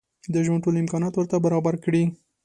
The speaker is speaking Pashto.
د ژوند ټول امکانات ورته برابر کړي.